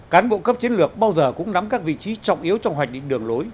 cán bộ cấp chiến lược bao giờ cũng nắm các vị trí trọng yếu trong hoạch định đường lối